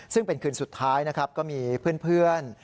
ซึ่งเป็นคืนสุดท้ายนะครับก็มีเพื่อน